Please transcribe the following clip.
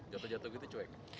jatuh jatuh gitu cuek